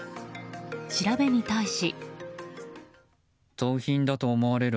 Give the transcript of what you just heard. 調べに対し。